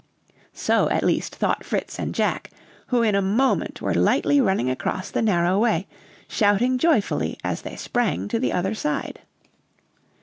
So at least thought Fritz and Jack, who in a moment were lightly running across the narrow way, shouting joyfully as they sprang to the other side.